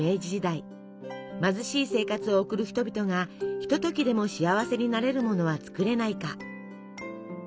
貧しい生活を送る人々がひとときでも幸せになれるものは作れないか？